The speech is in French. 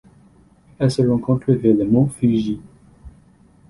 Elle se rencontre vers le mont Fuji.